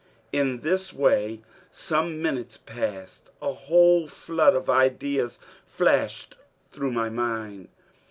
In this way some minutes passed. A whole flood of ideas flashed through my mind.